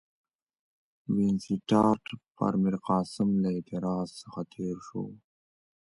وینسیټیارټ پر میرقاسم له اعتراض څخه تېر شو.